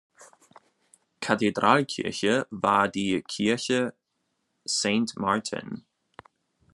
Kathedralkirche war die Kirche Saint-Martin.